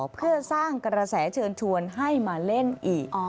เพื่อสร้างกระแสเชิญชวนให้มาเล่นอีก